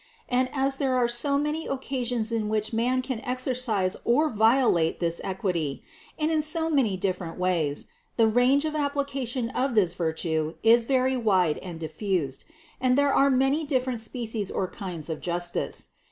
And as there are so many occasions in which man can exercise or violate this equity, and in so many different ways, the range of application of this virtue is very wide and diffused, and there are many different species or kinds of justice.